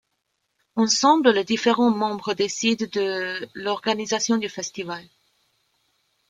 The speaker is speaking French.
Ensemble, les différents membres décident de l'organisation du festival.